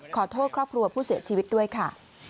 ขอโทษครอบครัวผู้เสียชีวิตด้วยค่ะ